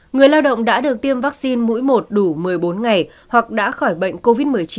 người lao động đã được tiêm vaccine mũi một đủ một mươi bốn ngày hoặc đã khỏi bệnh covid một mươi chín